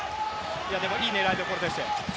いい狙いどころでしたよ。